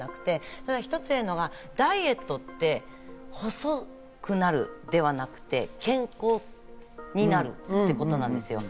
ただ一つ言えるのは、ダイエットって細くなるではなくて、健康になるということなんですよ。